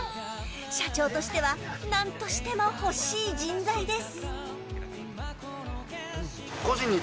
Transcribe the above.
社長としては何としても欲しい人材です。